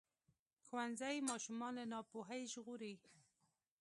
ښوونځی ماشومان له ناپوهۍ ژغوري.